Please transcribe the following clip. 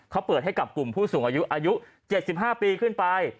เขาเปิดให้กับกลุ่มผู้สูงอายุอายุ๗๕ปีขึ้นไป